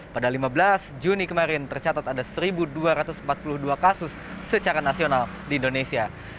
pada lima belas juni kemarin tercatat ada satu dua ratus empat puluh dua kasus secara nasional di indonesia